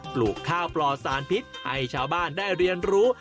ปลูกข้าวปลอดสารพิษให้ชาวบ้านได้เรียนรู้